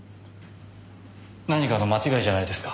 何かの間違いじゃないですか？